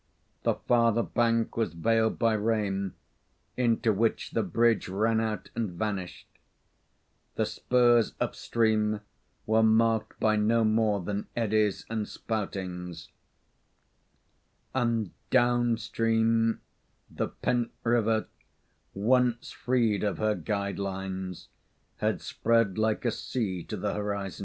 The farther bank was veiled by rain, into which the bridge ran out and vanished; the spurs up stream were marked by no more than eddies and spoutings, and down stream the pent river, once freed of her guide lines, had spread like a sea to the horizon.